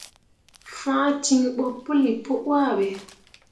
Fãa ciŋ ɓo puli pu wahbe.